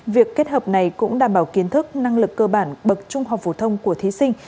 việc kết hợp này cũng đảm bảo kiến thức năng lực cơ bản bậc trung học phổ thông của thí sinh